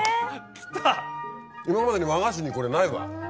今までに和菓子にこれないわ。